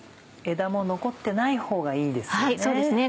枝も残ってないほうがいいんですよね。